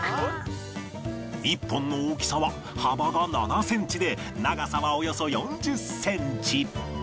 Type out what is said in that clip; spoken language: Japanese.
１本の大きさは幅が７センチで長さはおよそ４０センチ